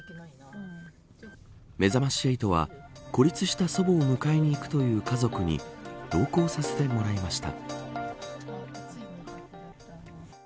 めざまし８は孤立した祖母を迎えに行くという家族に同行させてもらいました。